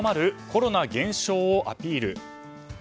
コロナ減少をアピール。